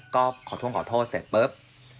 ก็ขอโทษเสร็จปุ๊บ